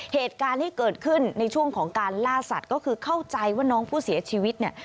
เหตุการณ์ที่เกิดขึ้นในช่วงของการล่าสัตว์ก็คือเข้าใจว่าน้องผู้เสียชีวิตเนี่ย